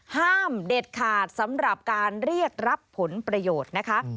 ห้ามเด็ดขาดสำหรับการเรียกรับผลประโยชน์นะคะ